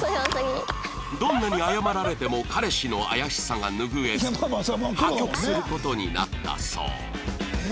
どんなに謝られても彼氏の怪しさが拭えず破局する事になったそう